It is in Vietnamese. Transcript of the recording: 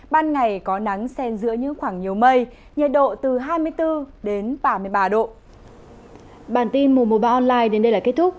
ban ngày có nắng sen giữa những khoảng nhiều mây nhiệt độ từ hai mươi bốn đến ba mươi ba độ